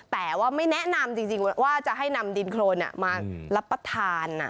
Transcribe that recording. แต่ว่าไม่แนะนำจริงว่าจะให้นำดินโครนมารับประทาน